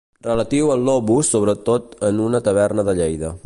Relatiu al lobus, sobretot en una taverna de Lleida.